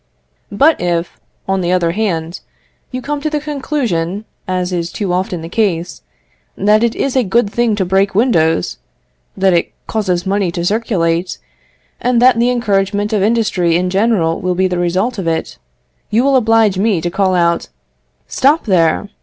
But if, on the other hand, you come to the conclusion, as is too often the case, that it is a good thing to break windows, that it causes money to circulate, and that the encouragement of industry in general will be the result of it, you will oblige me to call out, "Stop there!